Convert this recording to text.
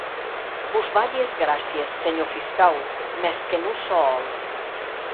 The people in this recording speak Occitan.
Vos balhi es gràcies, senhor fiscau, mès que non sò hòl.